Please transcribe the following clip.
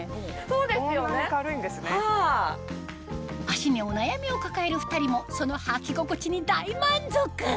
足にお悩みを抱える２人もその履き心地に大満足！